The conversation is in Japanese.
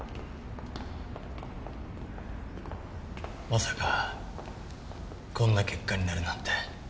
まさかこんな結果になるなんて。